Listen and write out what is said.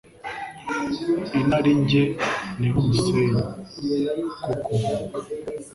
Inarinjye ni nk'umusenyi ukukumuka.